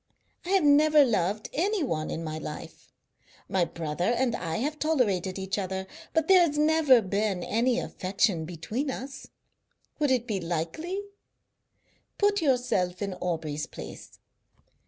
I have never loved any one in my life. My brother and I have tolerated each other, but there has never been any affection between us. Would it be likely? Put yourself in Aubrey's place.